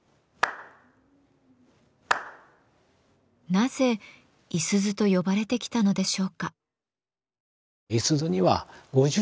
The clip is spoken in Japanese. なぜ五十鈴と呼ばれてきたのでしょうか。